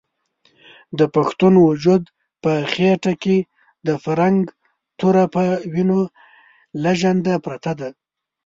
د پښتون وجود په خېټه کې د فرنګ توره په وینو لژنده پرته ده.